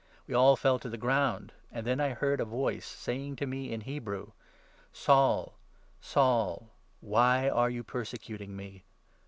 We all fell 14 to the ground, and then I heard a voice saying to me in Hebrew —' Saul, Saul, why are you persecuting me